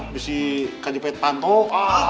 bisa kajipet pantuk